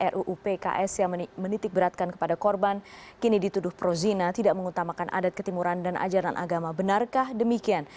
ruu pks yang menitik beratkan kepada korban kini dituduh prozina tidak mengutamakan adat ketimuran dan ajaran agama benarkah demikian